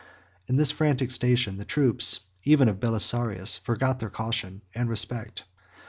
In this frantic search, the troops, even of Belisarius, forgot their caution and respect.